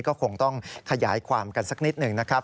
ก็คงต้องขยายความกันสักนิดหนึ่งนะครับ